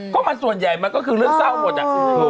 ก็มันส่วนใหญ่มันก็คือเรื่องเศร้าหมดอ่ะ